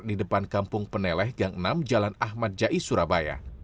di depan kampung peneleh gang enam jalan ahmad jai surabaya